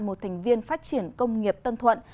một thành viên phát triển công nghiệp tân thuận